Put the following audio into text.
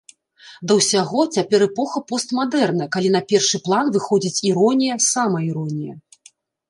Да ўсяго, цяпер эпоха постмадэрна, калі на першы план выходзіць іронія, самаіронія.